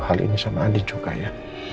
hal ini sama adik juga ya